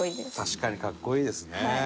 確かに格好いいですね。